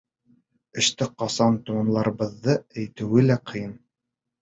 Эште ҡасан тамамларыбыҙҙы әйтеүе лә ҡыйын.